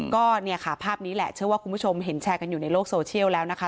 ก็เนี่ยค่ะภาพนี้แหละเชื่อว่าคุณผู้ชมเห็นแชร์กันอยู่ในโลกโซเชียลแล้วนะคะ